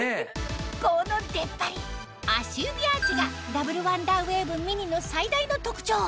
この出っ張り足指アーチがダブルワンダーウェーブミニの最大の特徴